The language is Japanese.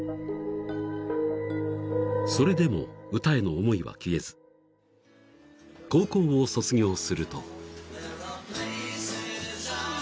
［それでも歌への思いは消えず高校を卒業すると］